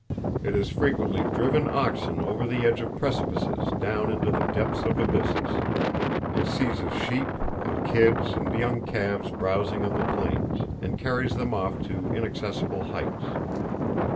It has frequently driven oxen over the edge of precipices down into the depths of abysses. It seizes sheep, and kids, and young calves, browsing on the plains, and carries them off to inaccessible heights.